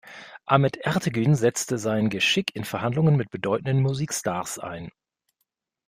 Ahmet Ertegün setzte sein Geschick in Verhandlungen mit bedeutenden Musikstars ein.